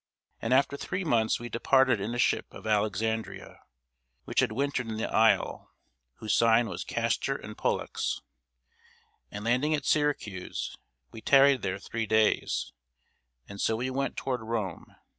And after three months we departed in a ship of Alexandria, which had wintered in the isle, whose sign was Castor and Pollux. And landing at Syracuse, we tarried there three days: and so we went toward Rome.